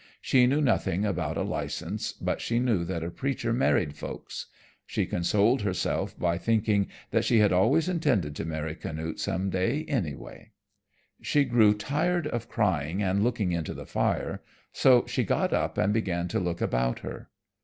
She knew nothing about a license, but she knew that a preacher married folks. She consoled herself by thinking that she had always intended to marry Canute some day, any way. She grew tired of crying and looking into the fire, so she got up and began to look about her.